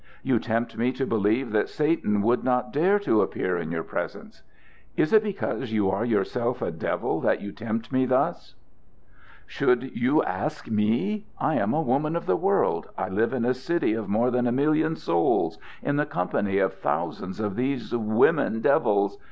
You tempt me to believe that Satan would not dare to appear in your presence. Is it because you are yourself a devil that you tempt me thus?" "Should you ask me? I am a woman of the world. I live in a city of more than a million souls in the company of thousands of these women devils.